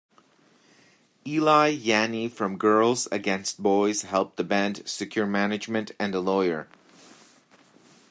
Eli Janney from Girls Against Boys helped the band secure management and a lawyer.